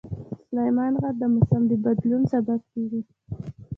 سلیمان غر د موسم د بدلون سبب کېږي.